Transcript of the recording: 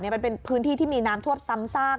มันเป็นพื้นที่ที่มีน้ำท่วมซ้ำซาก